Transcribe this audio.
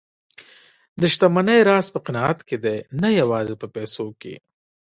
د شتمنۍ راز په قناعت کې دی، نه یوازې په پیسو کې.